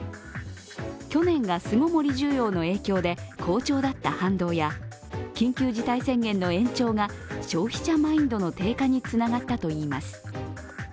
去年が巣ごもり需要の影響で好調だった反動や緊急事態宣言の延長が消費者マインドの低下につながったといいます。